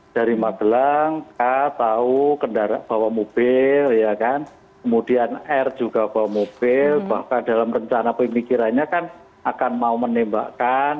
dari magelang k tahu bawa mobil kemudian r juga bawa mobil bahkan dalam rencana pemikirannya kan akan mau menembakkan